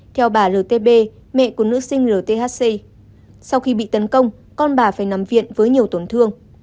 theo bà ltb mẹ của nữ sinh rthc sau khi bị tấn công con bà phải nằm viện với nhiều tổn thương